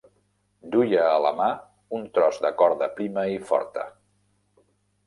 Duia a la mà un tros de corda prima i forta.